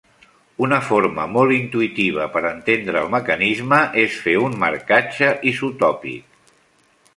Una forma molt intuïtiva per entendre el mecanisme és fer un marcatge isotòpic.